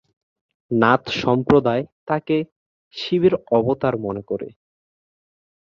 নাথ সম্প্রদায় তাঁকে শিবের অবতার মনে করে।